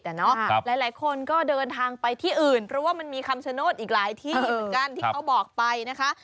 แต่เนาะหลายคนก็เดินทางไปที่อื่นเพราะว่ามันมีคำชโนธอีกหลายที่เหมือนกันที่เขาบอกไปนะคะ